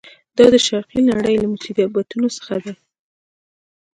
دا د شرقي نړۍ له مصیبتونو څخه دی.